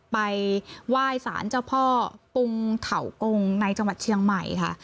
ไปไหว้สารเจ้าพ่อปุงเถากงในจังหวัดเชียงใหม่ค่ะ